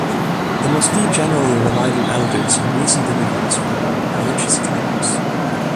The mosque generally relied on elders and recent immigrants for religious guidance.